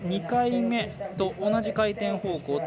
２回目と同じ回転方向。